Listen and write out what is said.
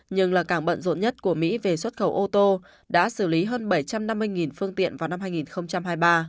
nhưng là cảng bận rộn nhất của mỹ về xuất khẩu ô tô đã xử lý hơn bảy trăm năm mươi phương tiện vào năm hai nghìn hai mươi ba